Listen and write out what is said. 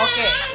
oh ya itu